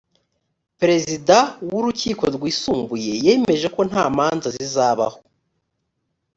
perezida wu rukiko rwisumbuye yemeje ko nta manza zizabaho